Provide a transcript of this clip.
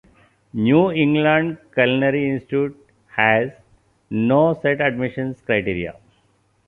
New England Culinary Institute has no set admissions criteria.